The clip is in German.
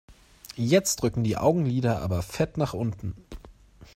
Jetzt drücken die Augenlider aber fett nach unten.